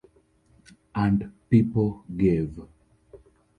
And people gave.